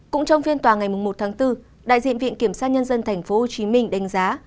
cũng trong phiên tòa ngày một tháng bốn đại diện viện kiểm sát nhân dân tp hcm đánh giá